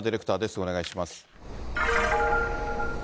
お願いします。